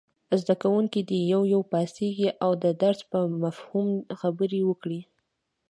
زده کوونکي دې یو یو پاڅېږي او د درس په مفهوم خبرې وکړي.